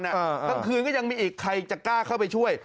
กลางคืนก็ยังมีอีกใครจะกล้าเข้าไปช่วย